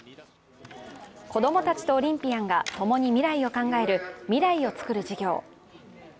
子供たちとオリンピアンが共に未来を考えるみらいをつくる授業。